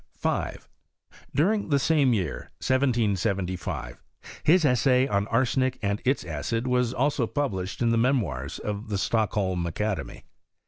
5. During the same year, 1775, his essay on arsenic and its acid was also published in the Memoirs of the Stockholm Academy.